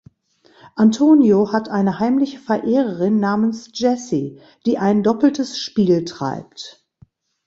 Antonio hat eine heimliche Verehrerin namens Jesse, die ein doppeltes Spiel treibt.